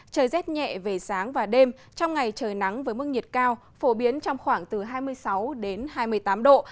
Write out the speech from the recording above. trời rét nhẹ về sáng và đêm trong ngày trời nắng với mức nhiệt cao phổ biến trong khoảng từ hai mươi sáu đến hai mươi tám độ